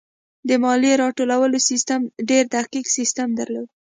د مالیې راټولولو سیستم ډېر دقیق سیستم درلود.